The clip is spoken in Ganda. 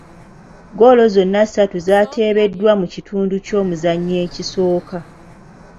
Ggoolo zonna ssatu zaateebeddwa mu kitundu ky'omuzannyo ekisooka.